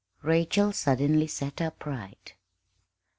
Rachel suddenly sat upright.